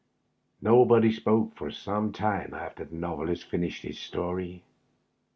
Nobody spoke for some time after the Novelist finished his story.